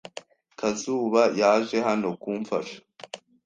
Kazuba yaje hano kumfasha.